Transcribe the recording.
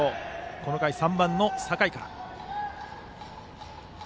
この回は３番の酒井から。